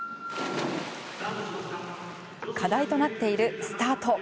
課題となっているスタート。